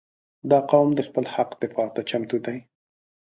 • دا قوم د خپل حق دفاع ته چمتو دی.